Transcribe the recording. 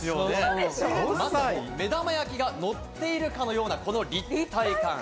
まさに目玉焼きがのっているかのようなこの立体感！